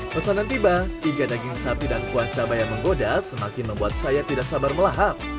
pesanan tiba hingga daging sapi dan kuah cabai yang menggoda semakin membuat saya tidak sabar melahap